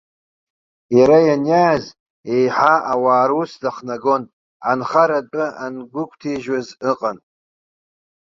Иара ианиааз, еиҳа ауаа рус дахнагон, анхара атәы ангәыгәҭаижьуаз ыҟан.